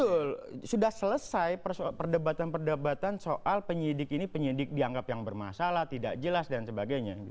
betul sudah selesai perdebatan perdebatan soal penyidik ini penyidik dianggap yang bermasalah tidak jelas dan sebagainya